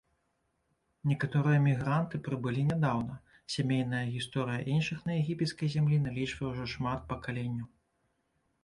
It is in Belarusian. Некаторыя мігранты прыбылі нядаўна, сямейная гісторыя іншых на егіпецкай зямлі налічвае ўжо шмат пакаленняў.